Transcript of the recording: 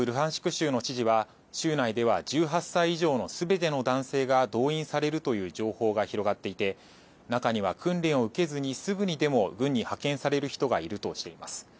州の知事は州内では１８歳以上のすべての男性が動員されるという情報が広がっていて中には訓練を受けずにすぐにでも軍に派遣される人がいるとしています。